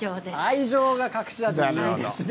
愛情が隠し味、いいですね。